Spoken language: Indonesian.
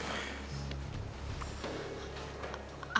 apa jangan jangan bella ngasih buah ke mondi